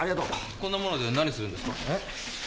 こんなもので何するんですか？